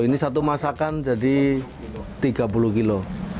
ini satu masakan jadi tiga puluh kilo